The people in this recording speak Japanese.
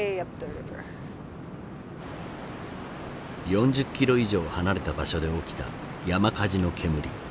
４０キロ以上離れた場所で起きた山火事の煙。